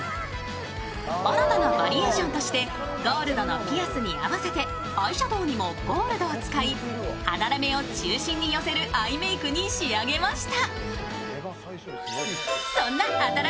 新たなバリエーションとしてゴールドのピアスに合わせてアイシャドウにもゴールドを使い離れ目を中心に寄せるアイメイクに仕上げました。